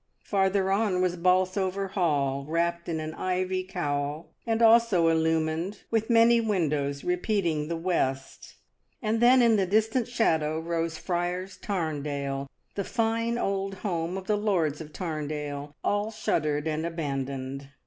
Farther on was Bolsover Hall, wrapped in an ivy cowl, and also illumined, with many windows repeating the west; and then in the distant shadow rose Friars Tarndale, the fine old home of the lords of Tarndale, all shuttered and abandoned.